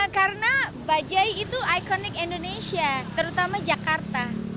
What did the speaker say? karena bajai itu ikonik indonesia terutama jakarta